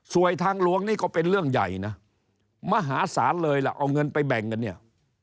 ทางหลวงนี่ก็เป็นเรื่องใหญ่นะมหาศาลเลยล่ะเอาเงินไปแบ่งกันเนี่ย